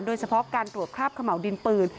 โดยเฉพาะการตรวจคราบเขม่าวดินปืน